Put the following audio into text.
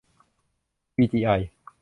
วีจีไอ